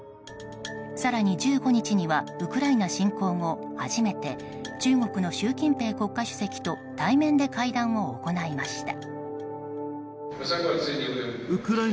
更に１５日にはウクライナ侵攻後初めて中国の習近平国家主席と対面で会談を行いました。